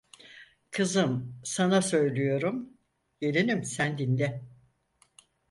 Kızım sana söylüyorum. Gelinim sen dinle.